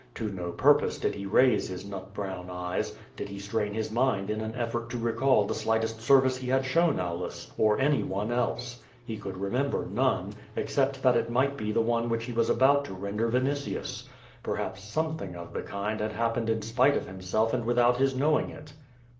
To no purpose did he raise his nut brown eyes, did he strain his mind in an effort to recall the slightest service he had shown Aulus, or any one else. He could remember none — except that it might be the one which he was about to render Yinitius. Perhaps something of the kind had happened in spite of himself and without his knowing it.